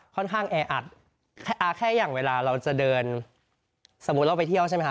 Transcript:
แออัดแค่อย่างเวลาเราจะเดินสมมุติเราไปเที่ยวใช่ไหมค